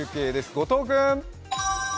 後藤君。